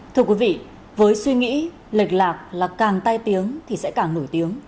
thưa quý vị với suy nghĩ lệch lạc là càng tai tiếng thì sẽ càng nổi tiếng